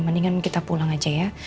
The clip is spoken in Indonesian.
mendingan kita pulang aja ya